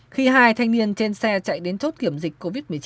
khi hai thanh niên trên xe chạy đến chốt kiểm dịch covid một mươi chín